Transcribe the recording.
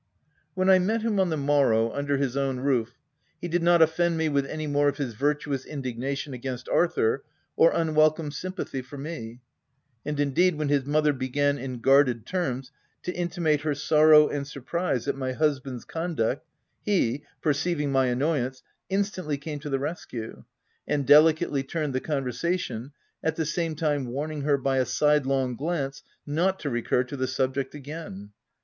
When I met him on the morrow, under his own roof, he did not offend me with any more of his virtuous indignation against Arthur or unwelcome sympathy for me ; and, indeed, when his mother began, in guarded terms, to intimate her sorrow and surprise at my husband's con duct, he, perceiving my annoyance, instantly came to the rescue, and delicately turned the con versation, at the same time warning her, by a sidelong glance, not to recur to the subject again.